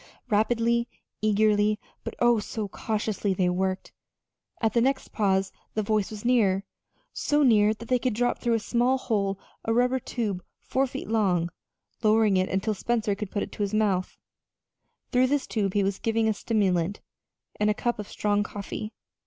Rapidly, eagerly, but oh, so cautiously, they worked. At the next pause the voice was nearer, so near that they could drop through a small hole a rubber tube four feet long, lowering it until Spencer could put his mouth to it. Through this tube he was given a stimulant, and a cup of strong coffee.